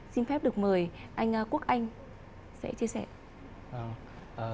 xin phép được mời anh quốc anh sẽ chia sẻ